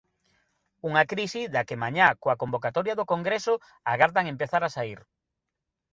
Unha crise da que mañá, coa convocatoria do congreso, agardan empezar a saír.